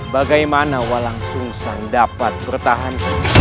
bagaimana walang sungsang dapat bertahan